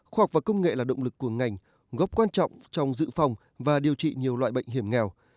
khoa học và công nghệ là động lực của ngành góp quan trọng trong dự phòng và điều trị nhiều loại bệnh hiểm nghèo